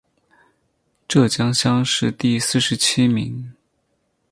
浙江乡试第四十七名。